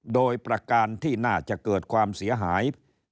โดยประการที่น่าจะเกิดความเสียหาย